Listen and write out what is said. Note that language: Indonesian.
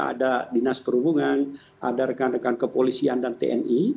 ada dinas perhubungan ada rekan rekan kepolisian dan tni